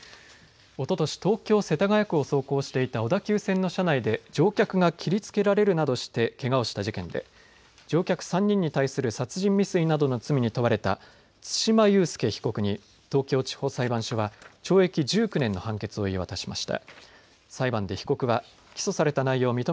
おととし東京世田谷区を走行していた小田急線の車内で乗客が切りつけられるなどしてけがをした事件で乗客３人に対する殺人未遂などの罪に問われた對馬悠介被告に東京地方裁判所は懲役１９年の判決を言い渡しました。